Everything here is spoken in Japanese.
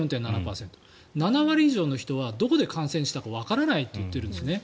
７割以上の人はどこで感染したかわからないと言っているんですね。